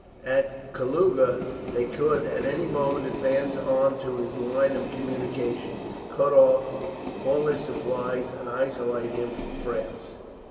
At Kalouga they could at any moment advance on to his line of communication, cut off all his supplies, and isolate him from France.